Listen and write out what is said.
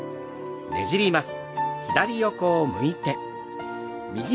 ねじります。